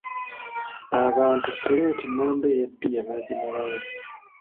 Abantu kuleeti namba eya bbiya baagimalawo.